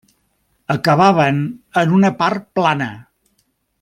Acabaven en una part plana.